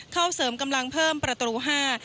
เข้าเสริมกำลังเพิ่มประตูห้า